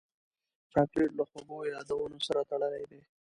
چاکلېټ له خوږو یادونو سره تړلی دی.